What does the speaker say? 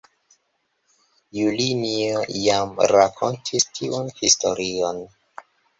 Julinjo, jam rakontis tiun historion.